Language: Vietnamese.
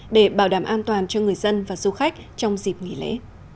để bảo đảm an toàn cho người dân và du khách trong dịp nghỉ lễ